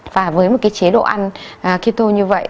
và với một cái chế độ ăn quito như vậy